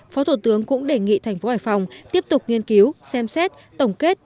phó thủ tướng cũng đề nghị thành phố hải phòng tiếp tục nghiên cứu xem xét tổng kết